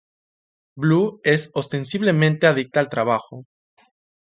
Blue es ostensiblemente adicta al trabajo.